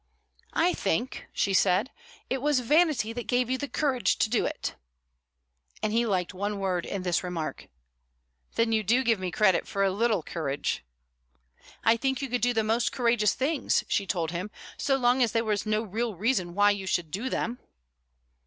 "I think," she said, "it was vanity that gave you the courage to do it." And he liked one word in this remark. "Then you do give me credit for a little courage?" "I think you could do the most courageous things," she told him, "so long as there was no real reason why you should do them."